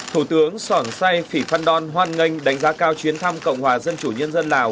thủ tướng sỏng sai sĩ văn đoan hoan nghênh đánh giá cao chuyến thăm cộng hòa dân chủ nhân dân lào